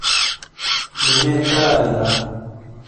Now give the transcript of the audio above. نینے ترائیی لا ۔